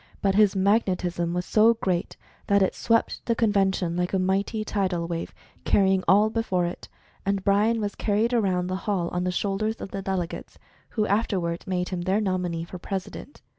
But his "Magnetism" was so great that it swept the convention like a mighty tidal wave, carrying all before it, and BryA was carried around the hall on the shoulders of tipplelegates, who after ward made him their nominee for President.